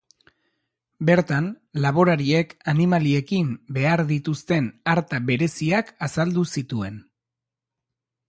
Bertan, laborariek animaliekin behar dituzten arta bereziak azaldu zituen.